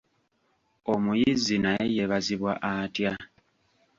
Omuyizzi naye yeebazibwa atya?